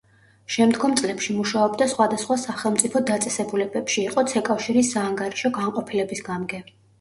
შემდგომ წლებში მუშაობდა სხვადასხვა სახელმწიფო დაწესებულებებში: იყო „ცეკავშირის“ საანგარიშო განყოფილების გამგე.